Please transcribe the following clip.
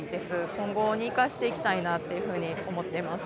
今後に生かしていきたいなっていうふうに思っています